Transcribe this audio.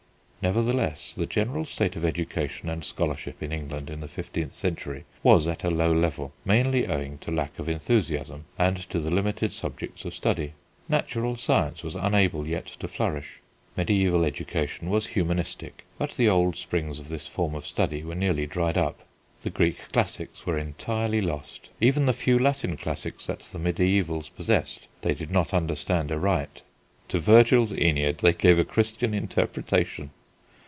Nevertheless the general state of education and scholarship in England in the fifteenth century was at a low level, mainly owing to lack of enthusiasm and to the limited subjects of study. Natural science was unable yet to flourish. Mediæval education was humanistic, but the old springs of this form of study were nearly dried up. The Greek classics were entirely lost. Even the few Latin classics that the mediævals possessed, they did not understand aright. To Virgil's Æneid they gave a Christian interpretation!